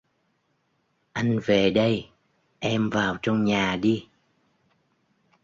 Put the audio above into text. Anh về đây em vào trong nhà đi